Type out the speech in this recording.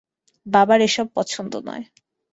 বাবার এসব পছন্দ নয়।